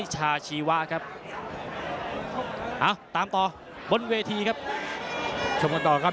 ชาชีวะครับเอาตามต่อบนเวทีครับชมกันต่อครับ